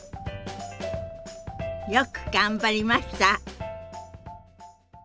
よく頑張りました！